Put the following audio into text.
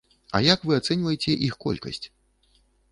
А як вы ацэньваеце іх колькасць?